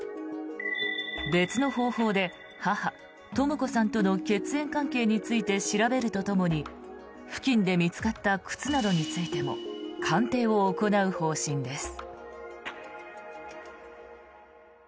別の方法で母・とも子さんとの血縁関係を調べるとともに付近で見つかった靴などについても鑑定を行う方針です。